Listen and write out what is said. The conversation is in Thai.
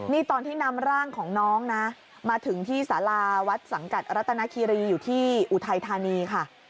นี่ตอนที่นำร่างของน้องนะมาถึงที่สาราวัดสังกัดรัตนาคีรีอยู่ที่อุทัยธานีค่ะ